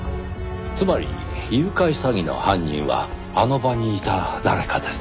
つまり誘拐詐欺の犯人はあの場にいた誰かです。